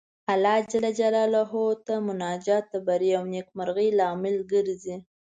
الله جل جلاله ته مناجات د بري او نېکمرغۍ لامل ګرځي.